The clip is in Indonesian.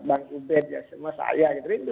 bang ubed ya semua saya rindu